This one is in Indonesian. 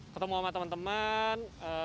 ketemu sama teman teman